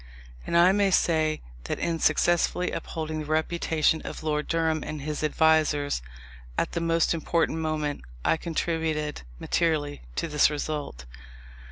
And I may say that in successfully upholding the reputation of Lord Durham and his advisers at the most important moment, I contributed materially to this result.